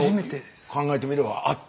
考えてみればあった？